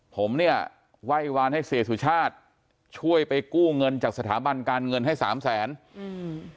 ผมเนี่ยไหว้วานให้เสียสุชาติช่วยไปกู้เงินจากสถาบันการเงินให้สามแสนอืม